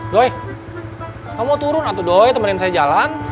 doi kamu mau turun atau doi temenin saya jalan